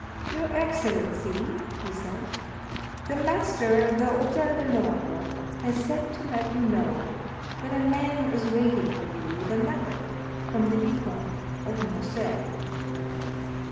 "Your excellency," he said, "the master of the Hôtel de Londres has sent to let you know that a man is waiting for you with a letter from the Viscount of Morcerf."